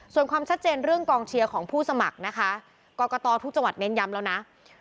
ส่วนความชัดเจนเรื่องกองเชียร์ของผู้สมัครนะคะกรกตทุกจังหวัดเน้นย้ำแล้วนะ